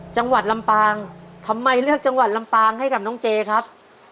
จังหวัดลำปางทำไมเลือกจังหวัดลำปางให้กับน้องเจครับ